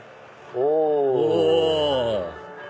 お！